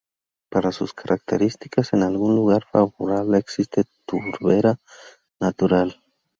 Por sus características, en algún lugar favorable existe turbera natural.